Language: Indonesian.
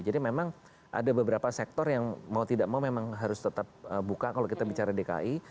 jadi memang ada beberapa sektor yang mau tidak mau memang harus tetap buka kalau kita bicara dki